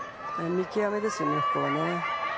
見極めですね、ここは。